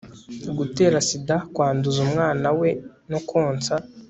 gatera sida kwanduza umwana we no konsa